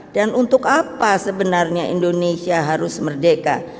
dan untuk apa sebenarnya indonesia harus merdeka